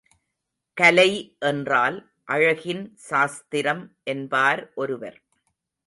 கலை என்றால் அழகின் சாஸ்திரம் என்பார் ஒருவர்.